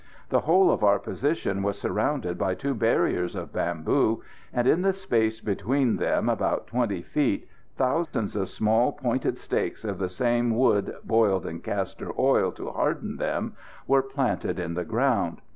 The whole of our position was surrounded by two barriers of bamboo, and in the space between them, about 20 feet, thousands of small pointed stakes of the same wood, boiled in castor oil to harden them, were planted in the ground.